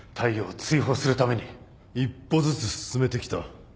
一歩ずつ進めてきた。